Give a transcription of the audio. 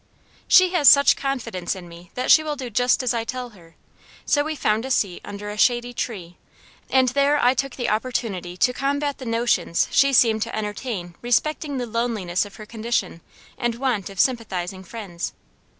"She has such confidence in me that she will do just as I tell her; so we found a seat under a shady tree, and there I took the opportunity to combat the notions she seemed to entertain respecting the loneliness of her condition and want of sympathizing friends.